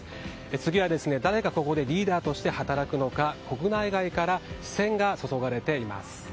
次は誰がここでリーダーとして働くのか国内外から視線が注がれています。